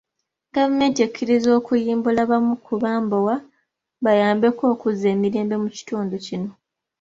Gavumenti ekkiriza okuyimbula abamu ku bambowa, kiyambeko okuzza emirembe mu kitundu kino.